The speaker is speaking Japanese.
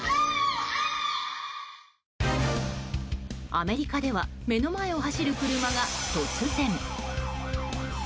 アメリカでは目の前を走る車が突然。